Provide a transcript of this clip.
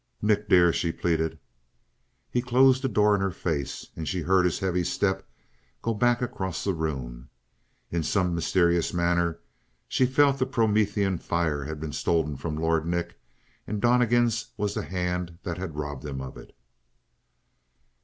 "Nick, dear " she pleaded. He closed the door in her face, and she heard his heavy step go back across the room. In some mysterious manner she felt the Promethean fire had been stolen from Lord Nick, and Donnegan's was the hand that had robbed him of it.